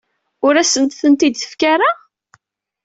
Ur asen-tent-id-tettak ara?